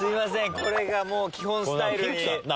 これがもう基本スタイルに。